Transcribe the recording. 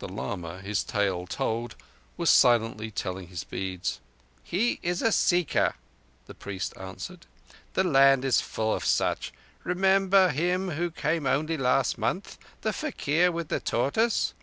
The lama, his tale told, was silently telling his beads. "He is a Seeker." the priest answered. "The land is full of such. Remember him who came only last, month—the faquir with the tortoise?"